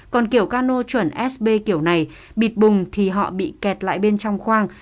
còn kiểu cano chuẩn sb kiểu này bịt bùng thì họ bị kẹt lại bên trong khoang